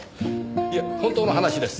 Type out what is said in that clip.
いえ本当の話です。